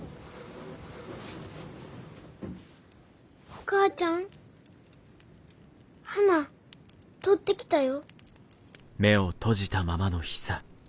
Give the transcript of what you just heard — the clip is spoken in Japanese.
お母ちゃん花採ってきたよ。